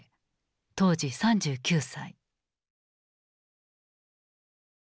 当時３９歳。